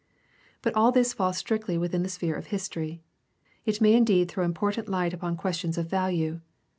But all this falls strictly within the sphere of history. It may indeed throw important light upon questions of value.